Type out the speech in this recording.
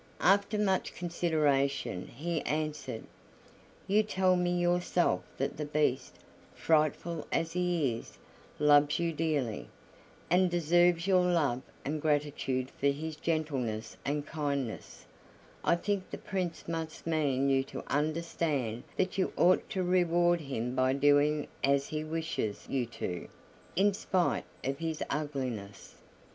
After much consideration, he answered: "You tell me yourself that the Beast, frightful as he is, loves you dearly, and deserves your love and gratitude for his gentleness and kindness; I think the Prince must mean you to understand that you ought to reward him by doing as he wishes you to, in spite of his ugliness."